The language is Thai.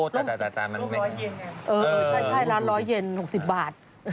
ล้มร้อยเย็นไงเออใช่ล้านร้อยเย็นหกสิบบาท